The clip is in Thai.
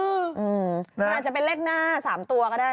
มันอาจจะเป็นเลขหน้า๓ตัวก็ได้